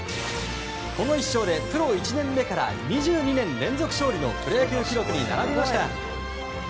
この１勝でプロ１年目から２２年連続勝利のプロ野球記録に並びました。